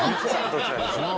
どちらでしょう。